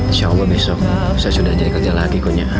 insya allah besok saya sudah jadi kerja lagi go nya